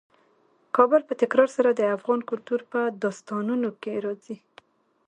کابل په تکرار سره د افغان کلتور په داستانونو کې راځي.